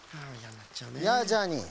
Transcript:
やあジャーニー。